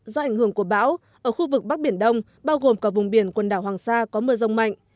do ảnh hưởng của bão ở khu vực bắc biển đông bao gồm cả vùng biển quần đảo hoàng sa có mưa rông mạnh